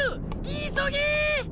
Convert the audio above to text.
いそげ！